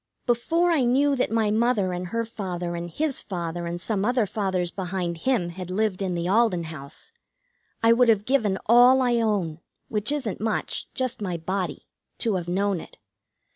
Before I knew that my mother and her father and his father and some other fathers behind him had lived in the Alden House, I would have given all I own, which isn't much, just my body, to have known it.